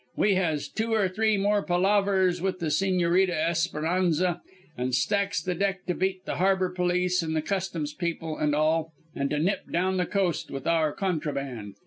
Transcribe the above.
"We has two or three more palavers with the Sigñorita Esperanza and stacks the deck to beat the harbor police and the Customs people an' all, an' to nip down the coast with our contraband.